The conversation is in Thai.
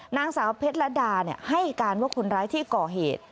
นางสาวเพชรดาให้การว่าคนร้ายที่ก่อเหตุ